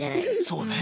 そうね